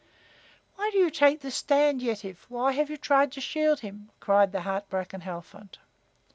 "Why do you take this stand, Yetive? Why have you tried to shield him?" cried the heartbroken Halfont.